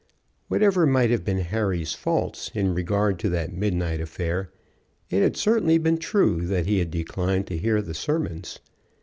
Whatever might have been Harry's faults in regard to that midnight affair, it had certainly been true that he had declined to hear the sermons.